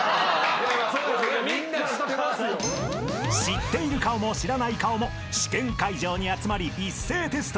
［知っている顔も知らない顔も試験会場に集まり一斉テストを実施］